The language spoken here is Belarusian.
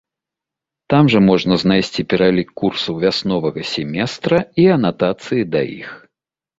Там жа можна знайсці пералік курсаў вясновага семестра і анатацыі да іх.